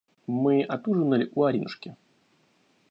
Мы отужинали у Аринушки.